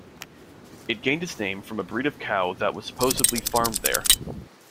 It gained its name from a breed of cow that was supposedly farmed there.